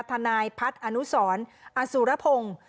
ทนายพัฒน์อนุสรอสุรพงศ์